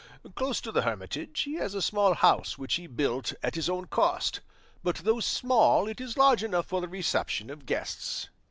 Close to the hermitage he has a small house which he built at his own cost, but though small it is large enough for the reception of guests."